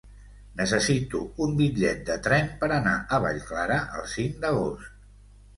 Necessito un bitllet de tren per anar a Vallclara el cinc d'agost.